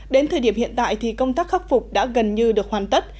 đến thời điểm hiện tại thì công tác khắc phục đã gần như được hoàn tất